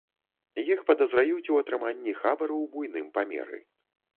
Іх падазраюць у атрыманні хабару ў буйным памеры.